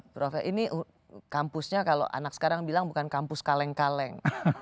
prof ya ini kampusnya kalau anak sekarang bilang bukan kampus kaleng kaleng